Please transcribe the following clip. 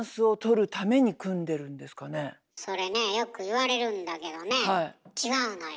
それねよく言われるんだけどね違うのよ。